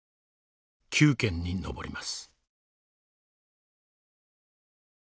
９件に上ります。